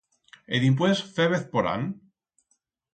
E dimpués fébez porán?